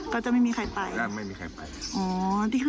ก็จะไม่มีใครไปแล้วไม่มีใครไป